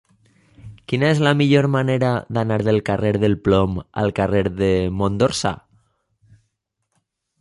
Quina és la millor manera d'anar del carrer del Plom al carrer de Mont d'Orsà?